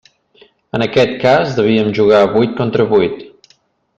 En aquest cas devíem jugar vuit contra vuit.